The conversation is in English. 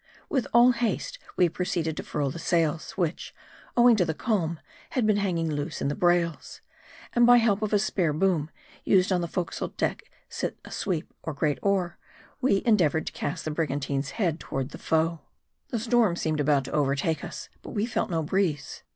With all haste we proceeded to furl the sails, which, owing to the calm, had been hanging loose in the brails. And by help of a spare boom, used on the forecastle deck as a sweep or great oar, we endeavored to cast the brigan tine's head toward the foe. 142 M A R D I. The storm seemed about to overtake us ; but we felt no breeze.